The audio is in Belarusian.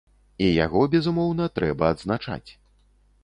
І яго, безумоўна, трэба адзначаць.